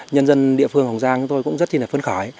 nhân dân địa phương hồng giang cũng rất phấn khỏi